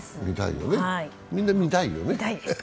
みんな見たいよね。